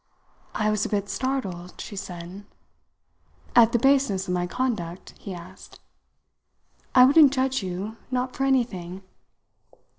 "I was a bit startled," she said. "At the baseness of my conduct?" he asked. "I wouldn't judge you, not for anything."